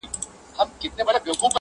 دلته هره تيږه کاڼئ بدخشان دی٫